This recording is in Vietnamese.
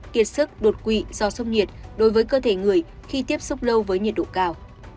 kiệt sức đột quỵ do sốc nhiệt đối với cơ thể người khi tiếp xúc lâu với nhiệt độ cao